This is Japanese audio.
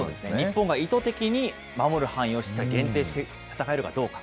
日本が意図的に守る範囲をしっかり限定して戦えるかどうか。